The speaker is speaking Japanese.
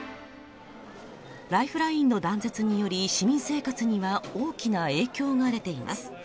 ライフラインの断絶により市民生活には大きな影響が出ています。